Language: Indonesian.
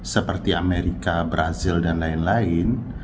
seperti amerika brazil dan lain lain